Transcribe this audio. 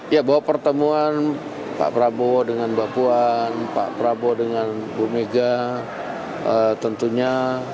ya bahwa pertemuan pak prabowo dengan bapuan pak prabowo dengan bumega tentunya